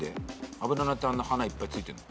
アブラナってあんな花いっぱいついてんの？